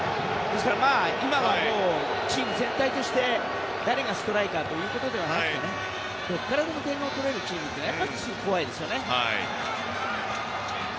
今はチーム全体として誰がストライカーということではなくてどこからでも点を取れるチームがやっぱり怖いですね。